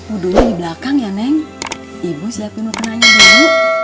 udunya di belakang ya neng ibu siapin urnanya dulu